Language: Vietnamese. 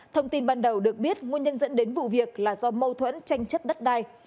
thông tin ban đầu được biết nguyên nhân dẫn đến vụ việc là do mâu thuẫn tranh chấp đất đai